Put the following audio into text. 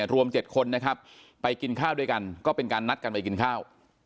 รวม๗คนนะครับไปกินข้าวด้วยกันก็เป็นการนัดกันไปกินข้าว